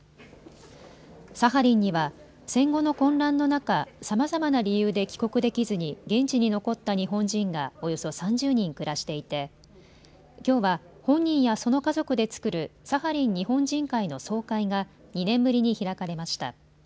サハリンには戦後の混乱の中、さまざまな理由で帰国できずに現地に残った日本人がおよそ３０人暮らしていてきょうは本人やその家族で作るサハリン日本人会の総会が２年ぶりに開かれました。